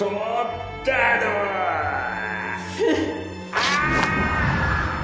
ああ！